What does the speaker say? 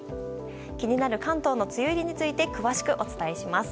気になる関東の梅雨入りについて詳しくお伝えします。